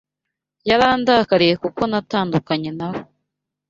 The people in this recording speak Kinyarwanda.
Yarandakariye kuko natandukanye na we.